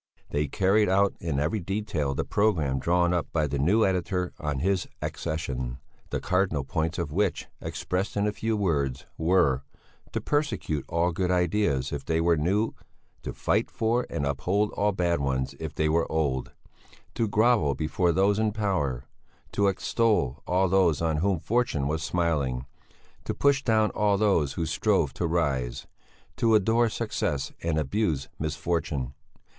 They carried out in every detail the programme drawn up by the new editor on his accession, the cardinal points of which, expressed in a few words, were: to persecute all good ideas if they were new, to fight for and uphold all bad ones if they were old, to grovel before those in power, to extol all those on whom fortune was smiling, to push down all those who strove to rise, to adore success and abuse misfortune.